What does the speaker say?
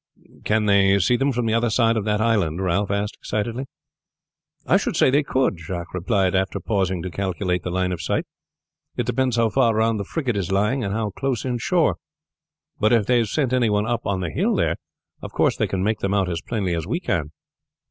"Can they see them from the other side of that island?" Ralph asked excitedly. "I should say they could," Jacques replied after pausing to calculate the line of sight. "It depends how far round the frigate is lying, and how close in shore. But if they have sent any one up on the hill there, of course they can make them out as plainly as we can."